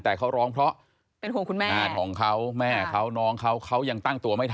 แต่เขาร้องเพราะ